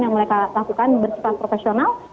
yang mereka lakukan bersifat profesional